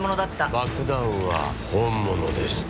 爆弾は本物でした。